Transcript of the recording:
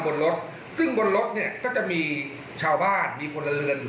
บนรถซึ่งบนรถเนี่ยก็จะมีชาวบ้านมีพลเรือน